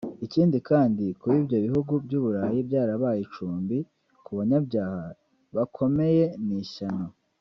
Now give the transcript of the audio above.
Ikindi kandi kuba ibyo bihugu by’u Burayi byarabaye icumbi ku banyabyaha bakomeye ni ishyano